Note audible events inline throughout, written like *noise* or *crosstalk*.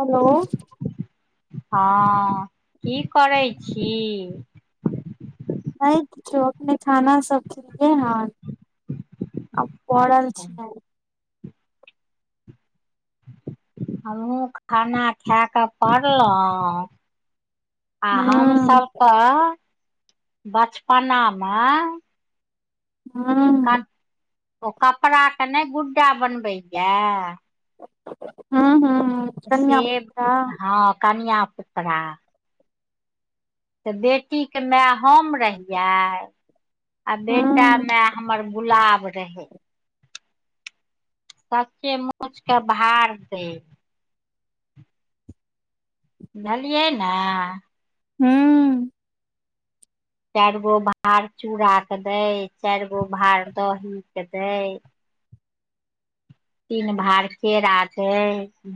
Hello हँ की करै छी नहि किछो अपने खाना सब खिलियै हन परल अच्छा छिए हमहूँ खाना खा कऽ पड़लहुँ आ हम हूं सभ के बचपना मे हँ क ओ कपड़ा के नहि गुड्डा बनबैया हँ हँ सेब हँ कनिआ पुतरा तऽ बेटी के माय हम रहियै आ बेटा हूं मैाय हमर गुलाब रहै सच्चे मुचके भार दे बुझलियै ने हू चारि गो भार चूड़ के दै चारि गो भार दही के दै तीन भार केरा छैे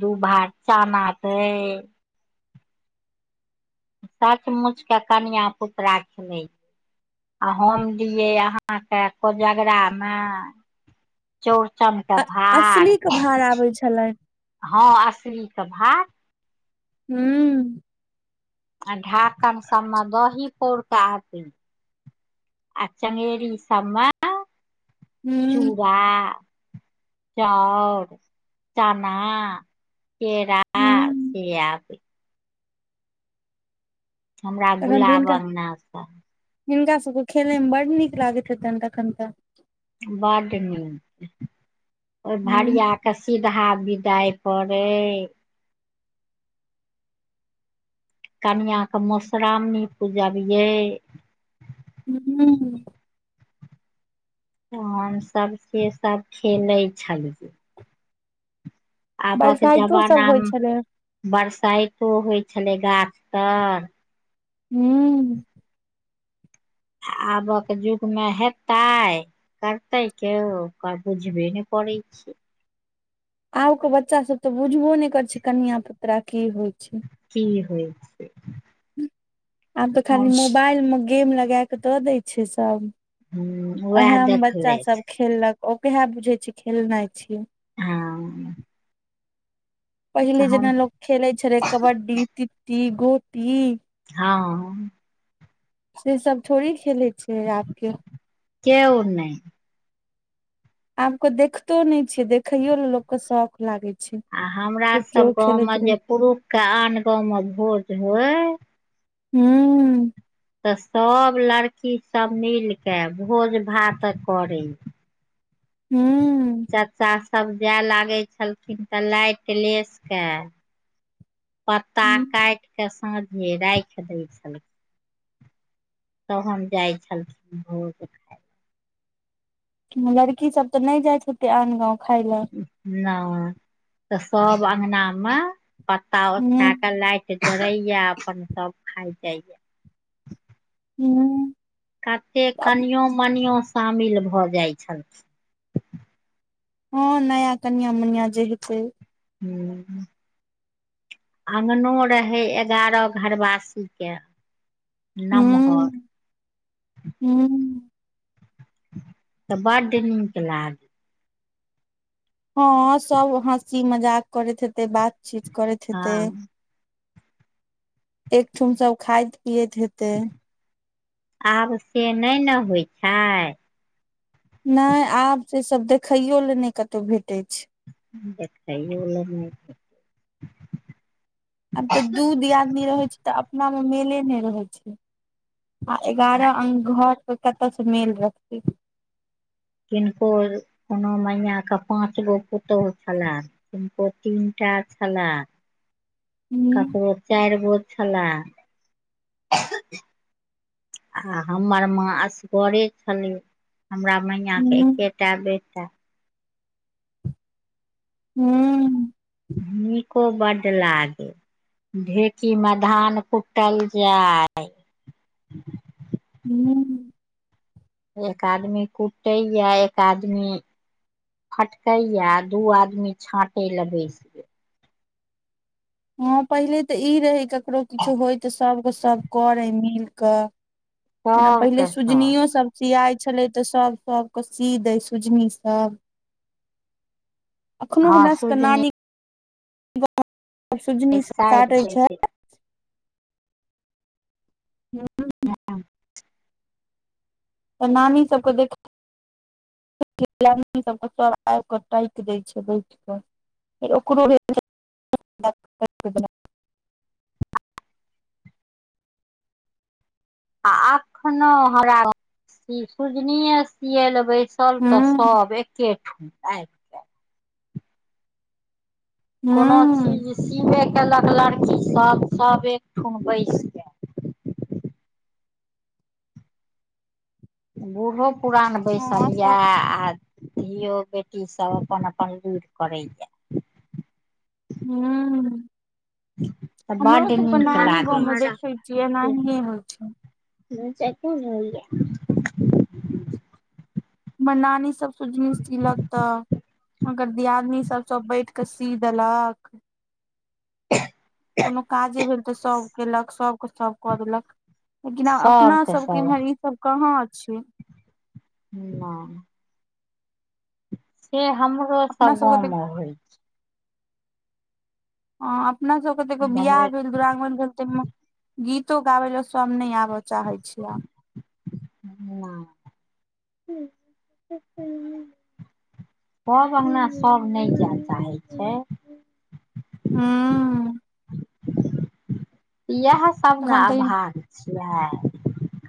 दू भार चना छैे सच मुच के कनिआ पुतरा छलै आ हम दिये अहा के कोजगरा मे चौरचन के भार असली के भार आबै छलनि हँ असली के भार हँ आ ढाकन सब मे दही पौर आथिन आ च्गेरी सब में हूं चूड़ा चाउर चाना केराा स हूं इहा हमरा तखन तऽ गुलाब हिनका अङ्गना से हिनका सबके खेलय मे बड नीक लागैत हेतनि तखन तऽ बड नीक ओ भारी हूं क सीधा बिदाइ पड़े कनिआँ के मधुश्राओमणी पूजबियै ह त हम सब से सब खेलै छलियै आबक बरसाइतो जमाना सब होइ छलै मे बरसाइतो होइ छले गाछ तर हूँ आबक युगमे हेतै करतै केयौ कार बुझबने पड़ै छै आब के बच्चा सब तऽ बुझबो ने कर छै कनिया पुतरा की होइ छै की होइ छै आब तऽ खाली हम मोबाइल मे गेम लगा कऽ दऽ दै छै सभ उएह उहे मे बच्चा देखलथि सब खेललक ओ केह बुझे छै खेलनाइ छीयै हँ पहिले तऽ हम जेना लोक खेले छले कबड्डी तिती गोटी हँ से सब थोड़े खेले छै आब के केओ नहि आब के देखतो न छियै देखयो ले लोक के शौख लागे छै आ हमरा जे सब केओ खेलैत गाँवमे रहे जे पुरुषके आन गाँवमे भोज होय हू तऽ सभ लड़की सब मिल क भोज भात करे हूँ चाचा सब जाय लागै छलखिन तऽ लाइट लेस कऽ *inaudible* पत्ता हूँ काट के साँझे राख देय छलखिन तहन जाइ छलखिन भोग लड़की सब तऽ नहि जायत होेते आन गाँंव खााय लए ना तऽ सब अंगना मे पत्ता ओछा हूँ के लाइट दड़ेया अपन सब खाय जाइया हूँ कतेक आब कनियों मनियों शामिल भऽ जाइत छल हँ नया कनिया मनिया जे हेतै हूँ अङ्गनो रहै एगारह घरवासीके नमहर हूँ हूँ तऽ बड्ड निक लागै हँ सब हँसी मजाक करैत हेते बातचीत करैत हँ हेते एकठम सब खायत पियैत हेतै आब से नहि ने होइत छै नहि आब से सब देखैयो लए नहि कतहु भेटै छै छ बल आब तऽ दू दियादनी रहै छै तऽ अपनामे मेले नहि रहैत छै आ एगारह अं घरसँ पर कतऽ से मेल रहतै किनको कोनो मैयके पाँच गो पुतोहु छलय ओ तीनटा छलय हूं ककरो चारि गो छलाह आ हमर माँ असगरे छली हमरा मैइयां के हूं एकेटा बेेटा हूँ नीको बड्ड लागे ढेकी मे धान कुटल जाय हूँ एक आदमी कुटैए एक आदमी फटकैया दू आदमी छाँटे ल बैस गेल हँ पहिले तऽ ई रहै ककरो किछो होय तऽ सभ के सभ करै मिल कऽ जेना सब पहिले के सुजनियो सब सिियााय छले ते सब सबके सी दे सुजनी सब अखनो हँ हमरा सब के सुजनी नानी सजनी साइड साटे के छै तऽ ह तऽ नानी सबके देख सबके स आब कऽ टाकि दै छै बैठ कऽ ओकर ब आ अखनो हमरा सुजनीे सिय ल बै बसल ते हूँ सब एकेठन आ कोनो चीज हूँ सीबे केलक लड़कीसभ सभ एकठन बैस बूढ़ो पुरान बैसल हँ सब यए आ धियो बेटी सब अपन अपन लीड़ करैय हू तऽ हमरो बड्ड सबके नीक नानी गाँव मे लागै देखै छियै एनाहिए होइ छैय। ह चेको नहि होैइया। हमर नानी सब सुजनी सिलक त ओकर दियादनी सब सब बैठके सी देलक। कोनो काजे भेल तऽ सभ केलक सभके सभ कऽ देलक। लेकिन आब अपना सबके इमहर ईसभ कहाँ छैय। ह से हमरो अपना सब सबके गाँव तऽ मे होइ ह अपना सबके त एगो छै बियाह दहेज भेल दुवरागमन भेल त गीतो गाबे ला सब नहि आबऽ चाहय छियै आब। हँ सब अङ्गना सब नहि जाय चाहै छैय। हू येएह सब ने तखन तऽ अभाव छियै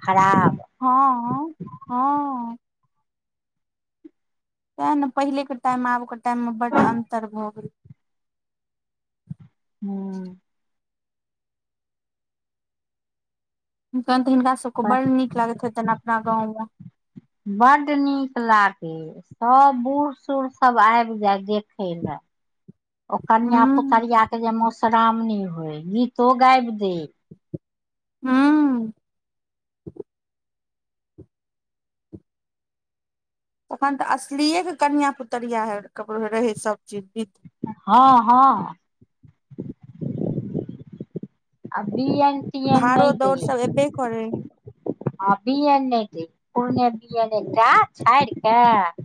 खराब। हँ हँ हँ तए ने पहिले के टाइम आब के टाइम मे बड अन्तर भऽ गेल। हूँ तहन तऽ हिनका सबके बड़ नीक लागैत हेतनि अपना गाँंव में। बड नीक लागे। सब बूढ़ सूढ़ सब आबि जाय देखे ला। ओ कनिआ हूं पुतरिआके जे मधुश्राावणी होय गीतो गाबि दय। हँ अखन तऽ असलीएके कनिया पुतरिया हैत ककरो रहै सभचीज जीत हँ हँ हँ हँ आब बी एन टी एन भाड़ो नहि दई दौड़ है। सब एबे करै आ बि एन नहि दै पूरने बि एन एकटा छाड़ि कऽ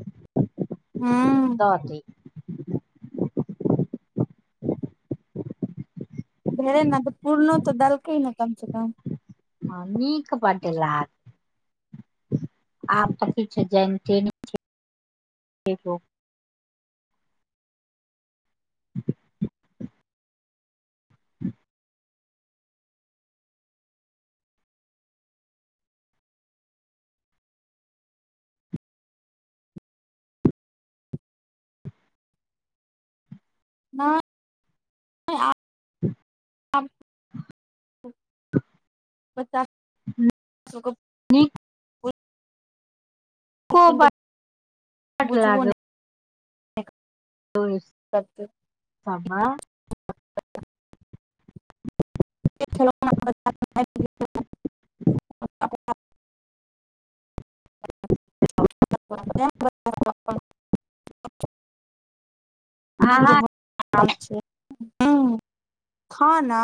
हूं द दी भेलै ने तऽ पूर्ण तऽ देलकै ने कम से कम। ह नीक बड़ ला आब तऽ किछु जानते नहि *inaudible* नहि *unintelligible* *unintelligible* नीक नीको *unintelligible* बड बुझबो नहि लागे करतै *unintelligible* *unintelligible* *unintelligible* अहाँ दूर *unintelligible* खाना।